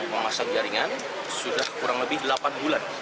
memasang jaringan sudah kurang lebih delapan bulan